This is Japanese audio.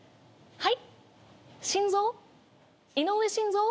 はい？